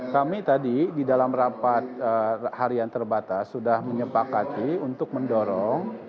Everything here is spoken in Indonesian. kami tadi di dalam rapat harian terbatas sudah menyepakati untuk mendorong